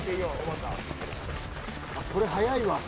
これ速いわ。